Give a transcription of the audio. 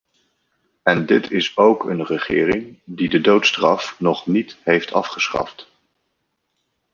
En dit is ook een regering die de doodstraf nog niet heeft afgeschaft.